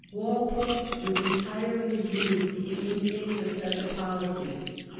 Walpole was entirely imbued with the instincts of such a policy.